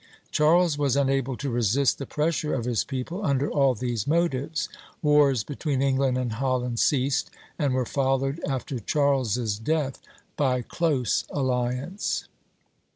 Charles was unable to resist the pressure of his people under all these motives; wars between England and Holland ceased, and were followed, after Charles's death, by close alliance.